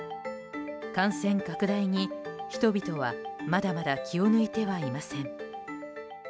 感染拡大に人々はまだ気を抜いてはいません。